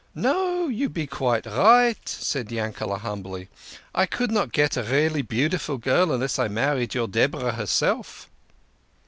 "No, you be quite* right," said Yankele' humbly; "I could not get a really beaudiful girl unless I married your Deborah herself."